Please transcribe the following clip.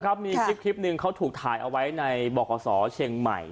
มีคลิปหนึ่งเขาถูกถ่ายเอาไว้ในบขเชียงใหม่